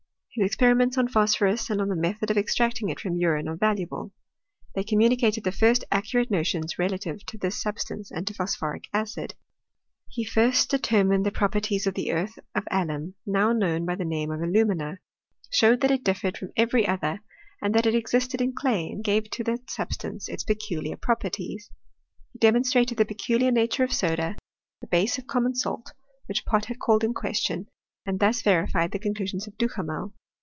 His experiments on phosphorus and on the method of extracting it from urine are valuable; they com municated the first accurate notions relative to thiy 272 HISTOEY OF CHEMISTRY. substance and to phosphoric acid. He first deter* mined the properties of the earth of alum, now known by the name of alumina ; showed that it differed from every other, and that it existed in clay, and gave to diat substance its peculiar properties. He de monstrated the peculiar nature of soda, the base of common salt, which Pott had called in question, and thus verified the conclusions of Duhamel.